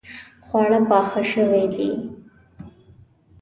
خواړه پاخه شوې دي